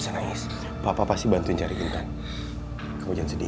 nangis papa pasti bantuin cari kita kau jangan sedih